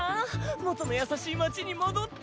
元の優しい街に戻って。